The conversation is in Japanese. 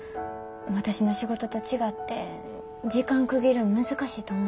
私の仕事と違って時間区切るん難しいと思うから。